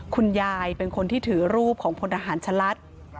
คุณยายเป็นคนที่ถือรูปของพลทหารชะลัด